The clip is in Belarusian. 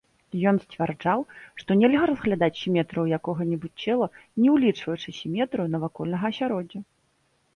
Ён сцвярджаў, што нельга разглядаць сіметрыю якога-небудзь цела, не ўлічваючы сіметрыю навакольнага асяроддзя.